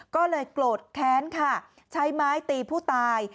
ก็เลยโกรธแค้นค่ะใช้ไม้ตีผู้ตาย